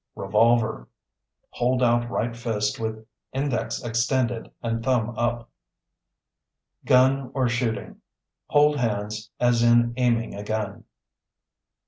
Revolver (Hold out right fist with index extended and thumb up). Gun or shooting (Hold hands as in aiming a gun).